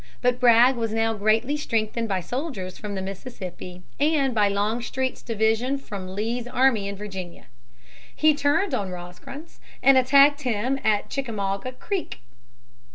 But Bragg was now greatly strengthened by soldiers from the Mississippi and by Longstreet's division from Lee's army in Virginia. He turned on Rosecrans, and attacked him at Chickamauga Creek.